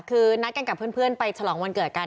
คือนัดกันกับเพื่อนไปฉลองวันเกิดกัน